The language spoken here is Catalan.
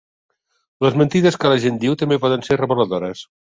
Les mentides que la gent diu també poden ser reveladores.